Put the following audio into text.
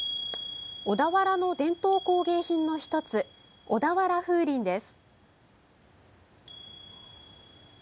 小田原の伝統工芸品の一つ小田原風鈴です。